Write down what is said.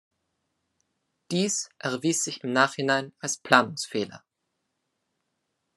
Dies erwies sich im Nachhinein als Planungsfehler.